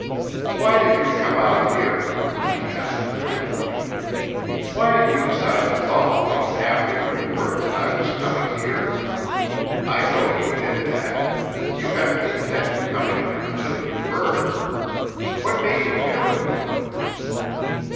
"Why did you come out here?" she asked plaintively. "Why did you decide to follow me, after you had heard that I was coming here? I know you did that; you hadn't intended coming here until you heard. What made you do it?"